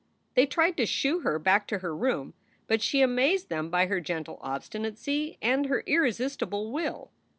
They tried to shoo her back to her room, but she amazed them by her gentle obstinacy and her irresistible will.